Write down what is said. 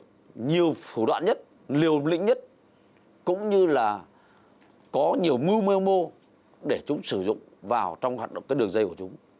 các đối tượng nhiều phủ đoạn nhất liều lĩnh nhất cũng như là có nhiều mưu mơ mô để chúng sử dụng vào trong hoạt động cái đường dây của chúng